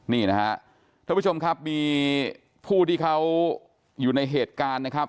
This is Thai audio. นี่นะครับท่านผู้ชมครับมีผู้ที่เขาอยู่ในเหตุการณ์นะครับ